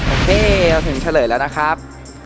นี่เราถึงเฉลยแล้วนะครับ